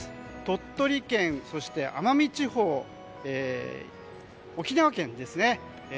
鳥取県、そして奄美地方沖縄県ですね。